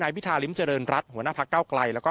พิธาริมเจริญรัฐหัวหน้าพักเก้าไกลแล้วก็